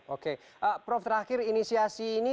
oke prof terakhir inisiasi ini